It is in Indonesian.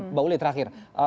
mbak uli terakhir